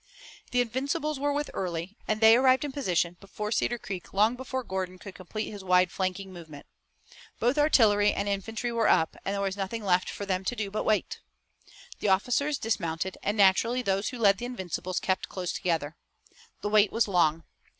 The Invincibles were with Early, and they arrived in position before Cedar Creek long before Gordon could complete his wide flanking movement. Both artillery and infantry were up, and there was nothing for them to do but wait. The officers dismounted and naturally those who led the Invincibles kept close together. The wait was long.